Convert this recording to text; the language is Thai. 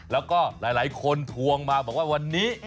แล้วก็หลายคนทวงมาบอกว่าวันนี้